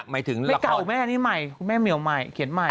หมายถึงเลยไม่เก่าแม่นี่ใหม่คุณแม่เหมียวใหม่เขียนใหม่